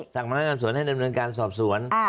สั่งมาให้การสวนให้เดิมการสอบสวน